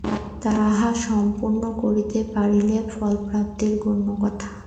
তাহা সম্পন্ন করিতে পারিলে ফলপ্রাপ্তি গৌণ কথা।